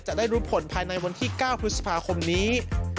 จะได้รู้ผลภายในวันที่๙พฤษภาคมนี้